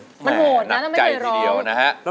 มันโหดนะไม่เคยร้อง